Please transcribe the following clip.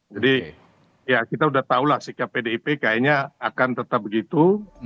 jadi ya kita sudah tahu lah sikap pdp kayaknya akan tetap begitu